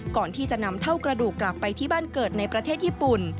ก่อนที่จะนำเท่ากระดูกกลับไปที่บ้านเกิดในประเทศญี่ปุ่น